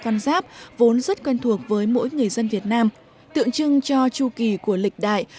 một mươi hai con giáp vốn rất quen thuộc với mỗi người dân việt nam tượng trưng cho chu kỳ của lịch đại